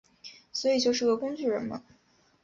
所以就是个工具人嘛